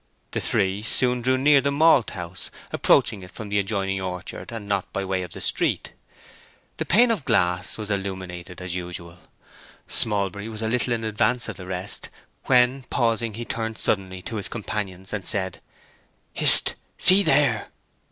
The three soon drew near the malt house, approaching it from the adjoining orchard, and not by way of the street. The pane of glass was illuminated as usual. Smallbury was a little in advance of the rest when, pausing, he turned suddenly to his companions and said, "Hist! See there."